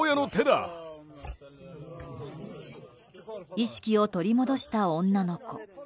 意識を取り戻した女の子。